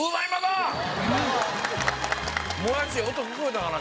もやし音聞こえたかな？